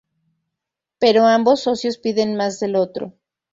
Pero ambos socios piden más del otro.